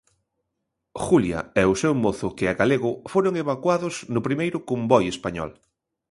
Julia e o seu mozo que é galego foron evacuados no primeiro convoi español.